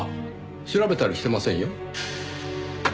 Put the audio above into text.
調べたりしてませんよ。